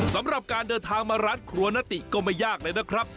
สำหรับการเดินทางมาร้านครัวนาติก็ไม่ยากเลยนะครับ